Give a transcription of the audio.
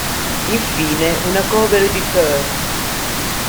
Infine una cover di "Turn!